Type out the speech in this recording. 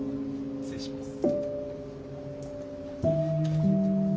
失礼します。